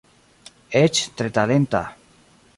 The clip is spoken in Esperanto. Eĉ tre talenta.